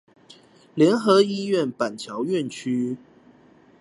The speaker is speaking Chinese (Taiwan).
聯合醫院板橋院區